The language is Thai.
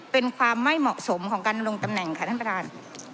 เป็นความไม่เหมาะสมของการลงตำแหน่งค่ะท่านประธาน